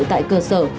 tại cơ sở